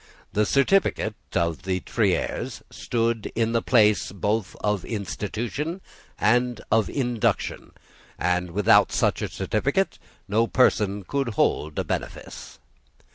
The certificate of the Triers stood in the place both of institution and of induction; and without such a certificate no person could hold a benefice.